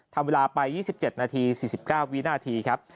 ทำเวลาไป๒๗นาที๔๙วินาทีครับ